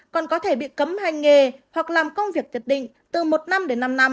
còn có thể bị cấm hành nghề hoặc làm công việc nhất định từ một năm đến năm năm